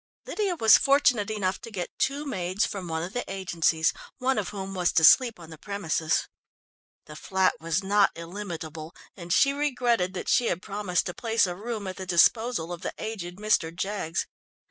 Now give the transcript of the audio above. Lydia was fortunate enough to get two maids from one of the agencies, one of whom was to sleep on the premises. The flat was not illimitable, and she regretted that she had promised to place a room at the disposal of the aged Mr. Jaggs.